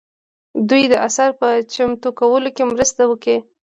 دوی د اثر په چمتو کولو کې مرسته وکړه.